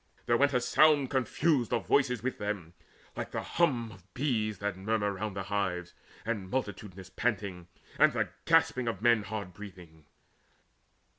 There went A sound confused of voices with them, like The hum of bees that murmur round the hives, And multitudinous panting, and the gasp Of men hard breathing.